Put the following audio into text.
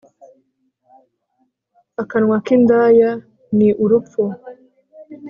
akanwa k'indaya ni urupfu